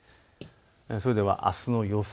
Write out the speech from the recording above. それではあすの予想